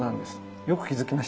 よく気付きました。